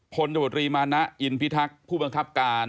ตบตรีมานะอินพิทักษ์ผู้บังคับการ